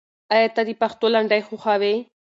آیا ته د پښتو لنډۍ خوښوې؟